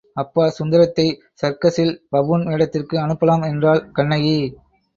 அப்பா, சுந்தரத்தை சர்க்கசில் பபூன் வேடத்திற்கு அனுப்பலாம் என்றாள் கண்ணகி.